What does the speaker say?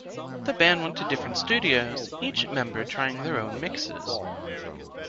The band went to different studios, each member trying their own mixes.